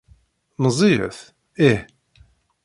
Meẓẓiyet? Ih.